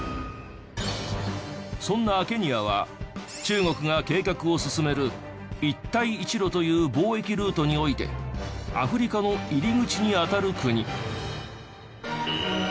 そんなケニアは中国が計画を進める一帯一路という貿易ルートにおいてアフリカの入り口に当たる国。